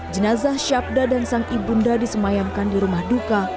jenazah syabda dan sang ibunda disemayamkan di rumah duka